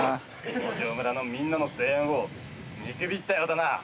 下條村のみんなの声援を見くびったようだな。